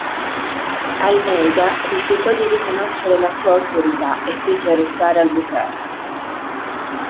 Almeida rifiutò di riconoscere la sua autorità e fece arrestare Albuquerque.